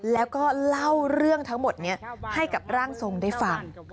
แล้วก็เล่าเรื่องทั้งหมดนี้ให้กับร่างทรงได้ฟัง